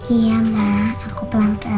iya ma aku pelan pelan